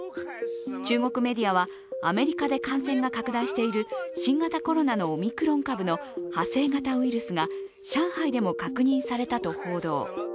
中国メディアは、アメリカで感染が拡大している新型コロナのオミクロン株の派生型ウイルスが上海でも確認されたと報道。